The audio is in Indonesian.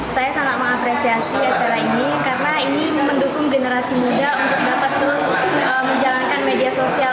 saya sangat mengapresiasi acara ini karena ini mendukung generasi muda untuk dapat terus menjalankan media sosial